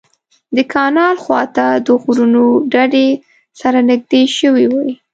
د کانال خوا ته د غرونو ډډې سره نږدې شوې وې.